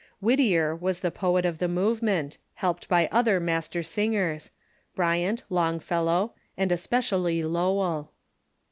Whittier was the poet of the movement, helped by other master singers — Bryant, Longfellow, and especially Lowell.